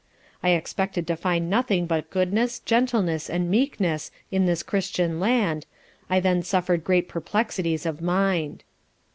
I expected to find nothing but goodness, gentleness and meekness in this Christian Land, I then suffer'd great perplexities of mind.